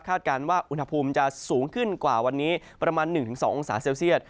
การว่าอุณหภูมิจะสูงขึ้นกว่าวันนี้ประมาณ๑๒องศาเซลเซียต